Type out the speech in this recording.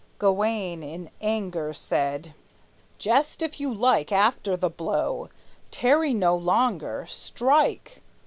Gawayne, in anger, said: "Jest, if you like, After the blow; tarry no longer; strike!"